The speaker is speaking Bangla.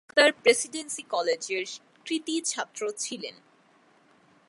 নিখিল কলকাতার প্রেসিডেন্সি কলেজের কৃতি ছাত্র ছিলেন।